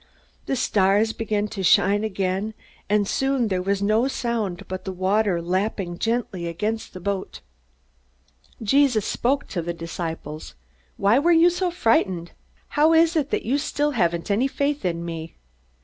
The stars began to shine again, and soon there was no sound but the water lapping gently against the boat. Jesus spoke to the disciples: "Why were you so frightened? How is it that you still haven't any faith in me?"